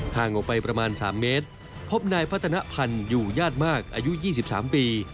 ห่างออกไปประมาณ๓เมตรพบนายพัฒนภัณฑ์อยู่ญาติมากอายุ๒๓ปี